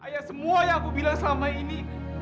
ayak semua yang aku bilang selama ini